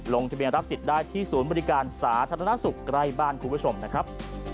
ลงทะเบียนรับสิทธิ์ได้ที่ศูนย์บริการสาธารณสุขใกล้บ้านคุณผู้ชมนะครับ